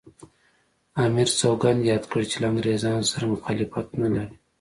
امیر سوګند یاد کړ چې له انګریزانو سره مخالفت نه لري.